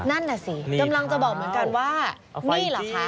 นั่นน่ะสิกำลังจะบอกเหมือนกันว่านี่เหรอคะ